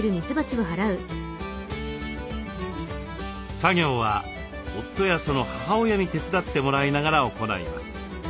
作業は夫やその母親に手伝ってもらいながら行います。